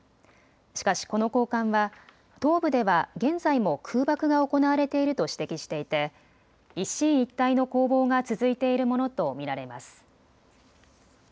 しかしこの高官は東部では現在も空爆が行われていると指摘していて一進一退の攻防が続いているものと見られます。